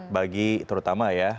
bagi terutama ya